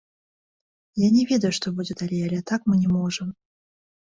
Я не ведаю, што будзе далей, але так мы не можам.